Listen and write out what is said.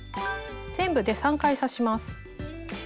全部で３回刺します。